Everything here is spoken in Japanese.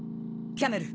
キャメル。